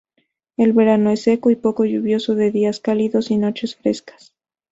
El verano es seco y poco lluvioso, de días cálidos y noches frescas.